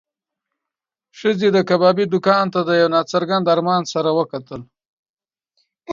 ښځې د کبابي دوکان ته د یو نا څرګند ارمان سره وکتل.